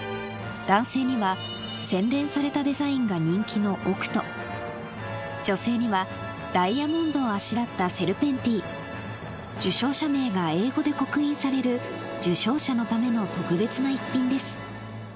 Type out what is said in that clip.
男性には洗練されたデザインが人気の女性にはダイヤモンドをあしらった受賞者名が英語で刻印される受賞者のための特別な一品です